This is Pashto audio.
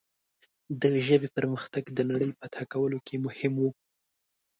د ژبې پرمختګ د نړۍ فتح کولو کې مهم و.